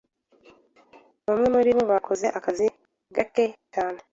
Bamwe muribo bakoze akazi gake cyane.